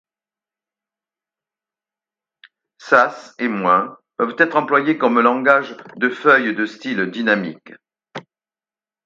Sass et Moins peuvent être employés comme langages de feuilles de style dynamiques.